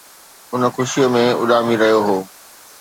ان خوشيءَ ۾ اڏامي رهيو هو